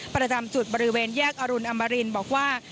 ประจำจุดบริเวณแยกอรุณอมรินบอกว่า